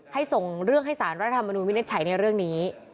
ให้ส่งเรื่องให้สารรัฐธรรมนุมิตรไฉ้ในเรื่องนี้